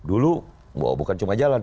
dulu bukan cuma jalan